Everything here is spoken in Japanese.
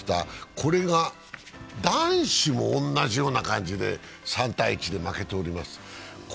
これが男子も同じような感じで３−１で負けています。